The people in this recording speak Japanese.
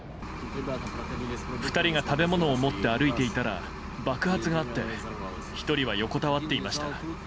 ２人が食べ物を持って歩いていたら、爆発があって、１人は横たわっていました。